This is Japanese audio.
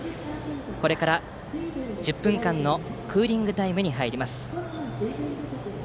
これから１０分間のクーリングタイムに入ります。